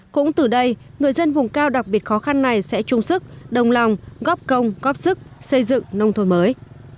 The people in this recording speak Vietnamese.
cũng từ đây người dân vùng cao đặc biệt khó khăn này sẽ chung sức đồng lòng góp công góp sức xây dựng nông thôn mới